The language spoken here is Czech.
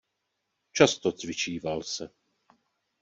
Často cvičíval se.